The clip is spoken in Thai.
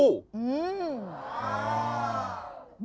อืม